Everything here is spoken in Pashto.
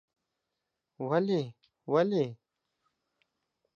ولې؟ ولې؟؟؟ ….